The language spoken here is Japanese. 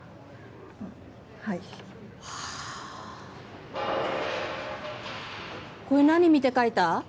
はいはあこれ何見て描いた？